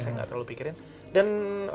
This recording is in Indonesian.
saya tidak terlalu pikirkan